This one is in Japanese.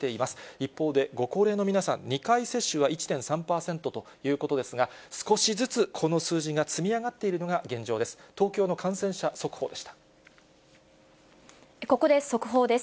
一方で、ご高齢の皆さん、２回接種は１．３％ということですが、少しずつこの数字が積み上がっているのが現状です。